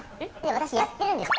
私やってるんです。